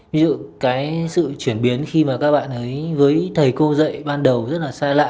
ví dụ cái sự chuyển biến khi mà các bạn ấy với thầy cô dạy ban đầu rất là xa lạ